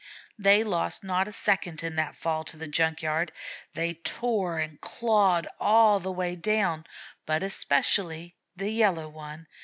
They lost not a second in that fall to the junk yard; they tore and clawed all the way down, but especially the Yellow One.